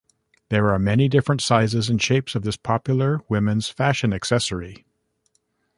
There are many different sizes and shapes of this popular woman's fashion accessory.